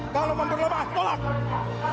kalau memperlepas tolak titik